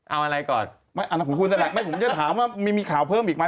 เอาอะไรก่อนไม่อ่านของคุณก็ได้ไม่ผมจะถามว่ามีข่าวเพิ่มอีกไหม